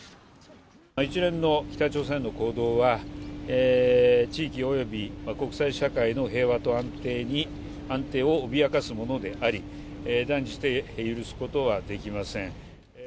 一連の北朝鮮の行動は、地域及び国際社会の平和と安定を脅かすものであり、断じて許すことはできません。